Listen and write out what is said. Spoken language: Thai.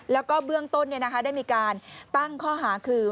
แล้วก็เบื้องต้นได้มีการตั้งข้อหาคือ